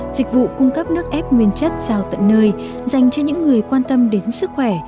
dịch vụ cung cấp nước ép nguyên chất giao tận nơi dành cho những người quan tâm đến sức khỏe